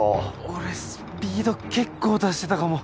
俺スピード結構出してたかも。